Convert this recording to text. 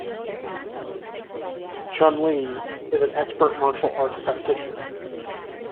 Chun-Li is an expert martial arts practitioner.